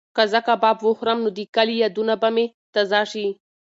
که زه کباب وخورم نو د کلي یادونه به مې تازه شي.